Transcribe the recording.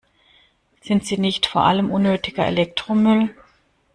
Sind sie nicht vor allem unnötiger Elektromüll?